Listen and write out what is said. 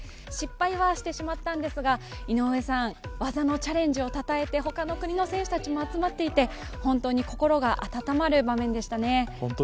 失敗はしてしまったんですが、技のチャレンジをたたえて他の国の選手たちも集まっていて本当に心が温まる場面でしたね。